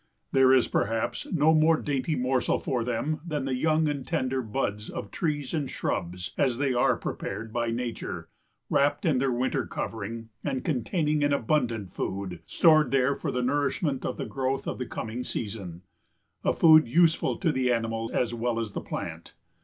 There is, perhaps, no more dainty morsel for them than the young and tender buds of trees and shrubs as they are prepared by Nature, wrapped in their winter covering and containing an abundant food, stored there for the nourishment of the growth of the coming season—a food useful to the animal as well as the plant.